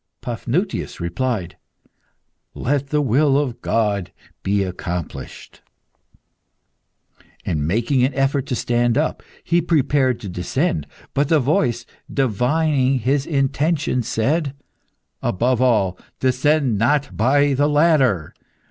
Paphnutius replied "Let the will of God be accomplished!" And making an effort to stand up, he prepared to descend. But the voice, divining his intention, said "Above all, descend not by the ladder.